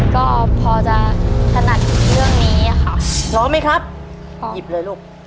ก็พอจะถนัดเรื่องนี้ค่ะพร้อมไหมครับหยิบเลยลูก